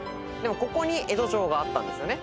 ここに江戸城があったんですよね。